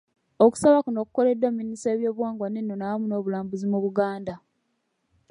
Okusaba kuno kukoleddwa Minisita w'ebyobuwangwa n'ennono awamu n'obulambuzi mu Buganda.